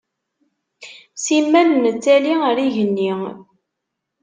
Simmal nettali ar igenni.